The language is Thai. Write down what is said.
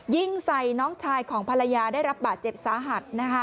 ยิงใส่น้องชายของภรรยาได้รับบาดเจ็บสาหัสนะคะ